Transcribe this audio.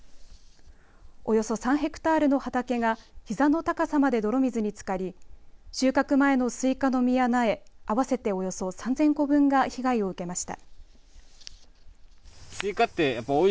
およそ３ヘクタールの畑が膝の高さまで泥水につかり収穫前のすいかの実や苗合わせておよそ３０００個分が被害を受けました。